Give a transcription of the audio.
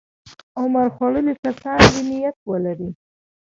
عمر خوړلي کسان دې نیت ولري.